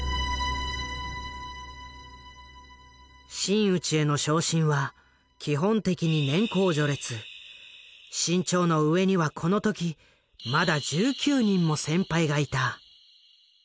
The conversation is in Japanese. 真打ちへの昇進は基本的に志ん朝の上にはこの時まだ１９人も先輩がいた。